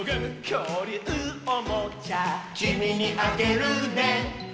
「きょうりゅうおもちゃ」「きみにあげるね」